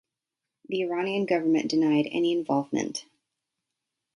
The Iranian government denied any involvement.